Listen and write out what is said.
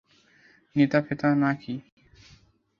নেতা-ফেতা না কি?